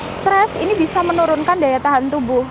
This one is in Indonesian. stres ini bisa menurunkan daya tahan tubuh